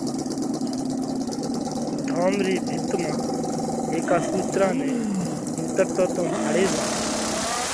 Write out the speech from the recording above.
ڌوم رِي ڀِت مانه هيڪا ڪُوترا نئہ مُوترتو تو ڀاۯي زائوه